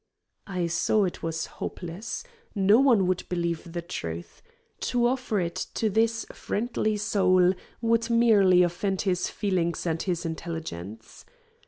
I saw it was hopeless. No one would believe the truth. To offer it to this friendly soul would merely offend his feelings and his intelligence.